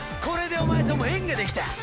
これでお前とも縁ができた！